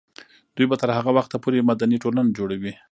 دوی به تر هغه وخته پورې مدني ټولنه جوړوي.